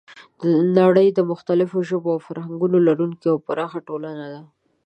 نړۍ د مختلفو ژبو او فرهنګونو لرونکی یوه پراخه ټولنه ده.